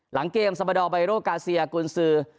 หลังเกมซาบาดอร์ไบโรกาเซียกุญซือ